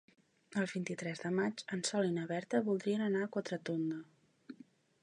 El vint-i-tres de maig en Sol i na Berta voldrien anar a Quatretonda.